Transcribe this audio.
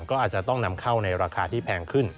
ก็อาจจะต้องนำเข้าในราคาที่แพงขึ้น